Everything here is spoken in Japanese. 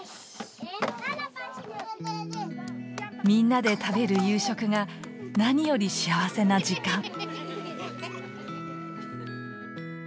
みんなで食べる夕食が何より幸せな時間。